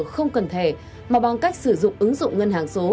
không cần thẻ mà bằng cách sử dụng ứng dụng ngân hàng số